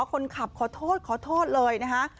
คนขับขอโทษเลยนะคะ